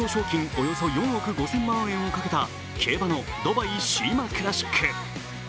およそ４億５０００万円をかけた競馬のドバイシーマクラシック。